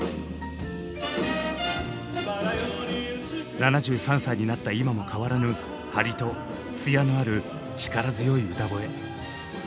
７３歳になった今も変わらぬ張りと艶のある力強い歌声。